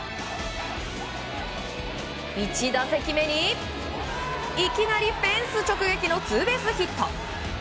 １打席目にいきなりフェンス直撃のツーベースヒット。